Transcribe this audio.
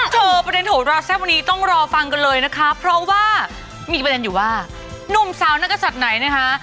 เธอประเด็นโหราแซ่บวันนี้ต้องรอฟังกันเลยนะคะเพราะว่ามีประเด็นอยู่ว่าหนุ่มสาวนักศัตริย์ไหนนะคะ